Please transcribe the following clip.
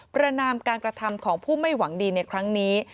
ประนามการกระทำของผู้ไม่หวังดีในครั้งนี้